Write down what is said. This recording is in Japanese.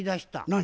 何？